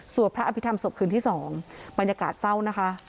พระอภิษฐรรศพคืนที่๒บรรยากาศเศร้านะคะ